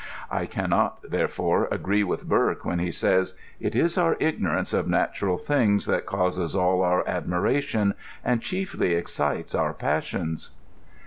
I can not, therefore, agree with Burke when he says, '* it is our ignorance* of natural things that causes all our admiration, and chiefly exeites our passions.''